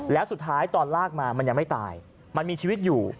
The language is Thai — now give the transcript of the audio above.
แล้วสุดท้ายตอนลากมามันยังไม่ตายมันมีชีวิตอยู่